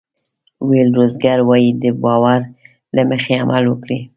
ویل روګرز وایي د باور له مخې عمل وکړئ.